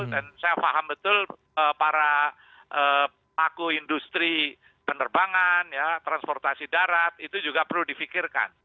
dan saya paham betul para paku industri penerbangan ya transportasi darat itu juga perlu difikirkan